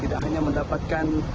tidak hanya mendapatkan